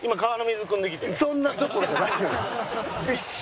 そんなどころじゃないのよ。